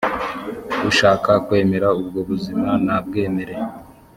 ushaka kwemera ubwo buzima nabwemere